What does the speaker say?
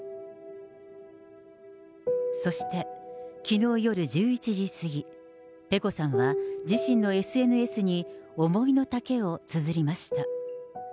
そして、きのう夜１１時過ぎ、ペコさんは自身のＳＮＳに、思いのたけをつづりました。